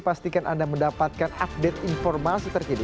pastikan anda mendapatkan update informasi terkini